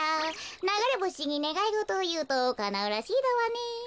ながれぼしにねがいごとをいうとかなうらしいだわね。